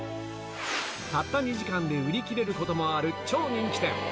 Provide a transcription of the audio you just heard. たった２時間で売り切れることもある超人気店。